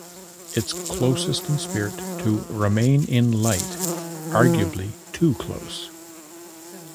It's closest in spirit to Remain in Light - arguably too close.